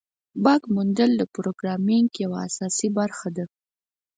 بګ موندل د پروګرامینګ یوه اساسي برخه ده.